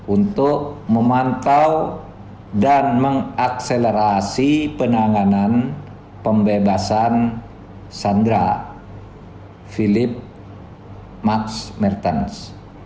untuk memantau dan mengakselerasi penanganan pembebasan sandera philip max mertens